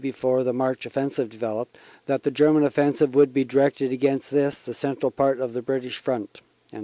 before the March offensive developed) that the German offensive would be directed against this, the central part of the British front."